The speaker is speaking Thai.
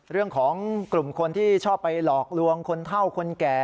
เรื่องของกลุ่มคนที่ชอบไปหลอกลวงคนเท่าคนแก่